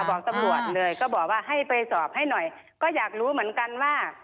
บอกตำรวจเลยก็บอกว่าให้ไปสอบให้หน่อยก็อยากรู้เหมือนกันว่า